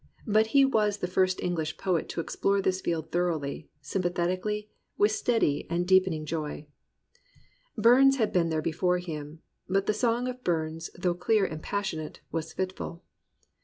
But he was the first English poet to explore this field thoroughly, sympathetically, with steady and deep ening joy. Burns had been there before him; but the song of Burns though clear and passionate, was fitful.